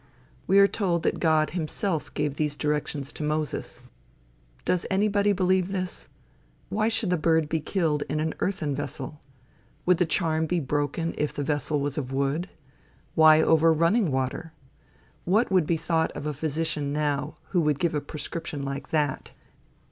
We are told that God himself gave these directions to Moses. Does anybody believe this? Why should the bird be killed in an earthen vessel? Would the charm be broken if the vessel was of wood? Why over running water? What would be thought of a physician now, who would give a prescription like that?